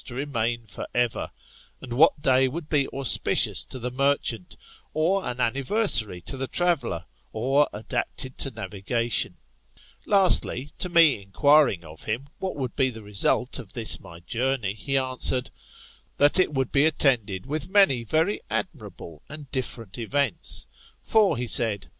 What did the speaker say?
et Avian, in Arati 24 THB MKTAM01tPH08IS| Oft remain for ever; and what day would be auspicioas to the merchant ; or an anniversary to the traveller ; or adapted to navigation. Lastly, to me enquiring of him what would be the result of this my journey, he answered, That it would be attended with many very admirable and different events. For, he said.